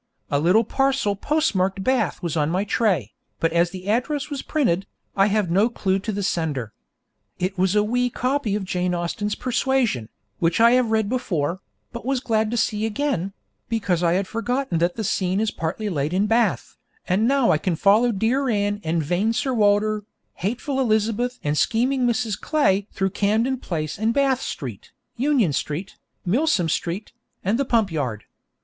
A little parcel postmarked Bath was on my tray, but as the address was printed, I have no clue to the sender. It was a wee copy of Jane Austen's 'Persuasion,' which I have read before, but was glad to see again, because I had forgotten that the scene is partly laid in Bath, and now I can follow dear Anne and vain Sir Walter, hateful Elizabeth and scheming Mrs. Clay through Camden Place and Bath Street, Union Street, Milsom Street, and the Pump Yard.